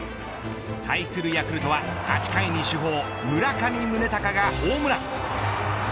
対するヤクルトは８回に主砲を村上宗隆がホームラン。